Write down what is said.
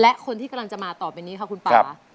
และคนที่กำลังจะมาต่อไปนี้ค่ะคุณป่า